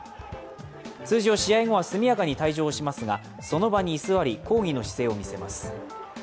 通常、試合後は速やかに退場しますが、その場に居座り、抗議の姿勢を見せます。